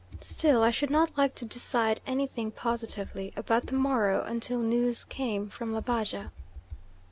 Still, I should not like to decide anything positively about the morrow until news came from Labaja."